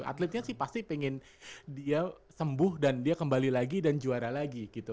atletnya sih pasti pengen dia sembuh dan dia kembali lagi dan juara lagi gitu